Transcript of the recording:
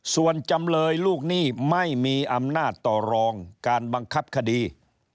ส่วนจำเลยลูกหนี้ไม่มีอำนาจต่อรองการบังคับคดี